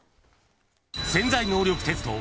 「潜在能力テスト」